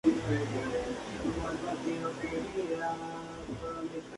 Su madre era hermana del patriota Antonio Beruti.